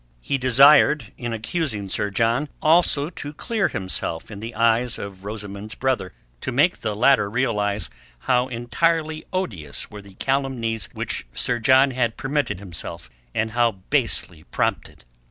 He desired, in accusing Sir John, also to clear himself in the eyes of Rosamund's brother, to make the latter realize how entirely odious were the calumnies which Sir John had permitted himself, and how basely prompted.